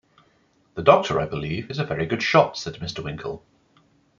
‘The doctor, I believe, is a very good shot,’ said Mr. Winkle.